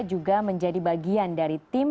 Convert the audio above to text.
juga menjadi bagian dari tim